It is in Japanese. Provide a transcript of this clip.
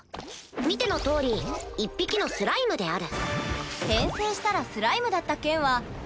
見てのとおり１匹のスライムである。